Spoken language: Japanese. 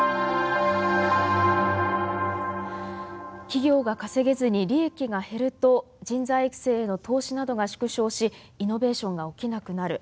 企業が稼げずに利益が減ると人材育成への投資などが縮小しイノベーションが起きなくなる。